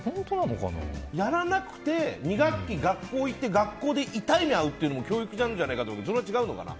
やらなくて２学期学校行って学校で痛い目遭うっていうのも教育じゃないのかなって思うけどそれは違うのかな？